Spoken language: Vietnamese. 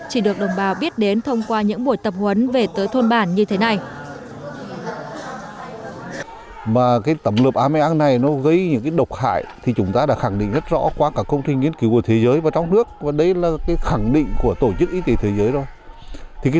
chỉ được đồng bào biết đến thông qua những buổi tập huấn về tới thôn bản như thế này